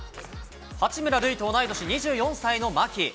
八村塁と同い年、２４歳の牧。